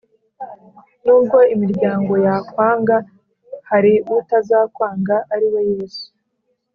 Nubwo imiryango yakwanga hari utazakwanga ariwe yesu